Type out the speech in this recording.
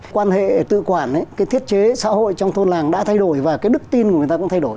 quan hệ tự quản cái thiết chế xã hội trong thôn làng đã thay đổi và cái đức tin của người ta cũng thay đổi